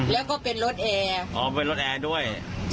แล้วก็เป็นรถแอร์อ๋อเป็นรถแอร์ด้วย